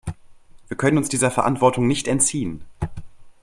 Wir können uns dieser Verantwortung nicht entziehen.